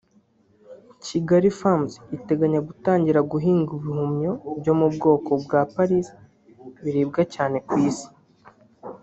Kigali Farms iteganya gutangira guhinga ibihumyo byo mu bwoko bwa “Paris” biribwa cyane ku Isi